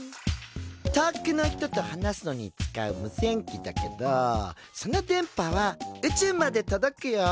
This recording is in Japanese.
遠くの人と話すのに使う無線機だけどその電波は宇宙まで届くよ。